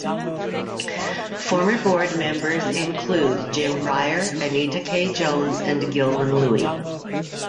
Former board members include Jim Breyer, Anita K. Jones and Gilman Louie.